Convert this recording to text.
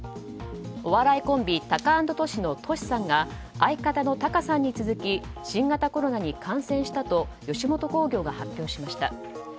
お笑いコンビタカアンドトシのトシさんが相方のタカさんに続き新型コロナに感染したと吉本興業が発表しました。